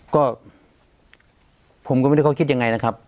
ก็ผมก็ไม่รู้เขาคิดยังไงนะครับ